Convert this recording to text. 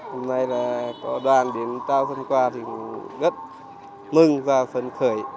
hôm nay là có đoàn đến trao phần quà thì rất mừng và phấn khởi